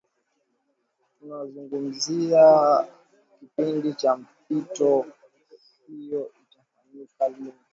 tuna tunazungumzia kipindi cha mpito hiyo itafanyika lini